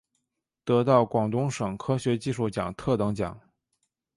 得到广东省科学技术奖特等奖。